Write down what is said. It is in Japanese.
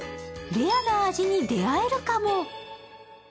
レアな味に出会えるかも。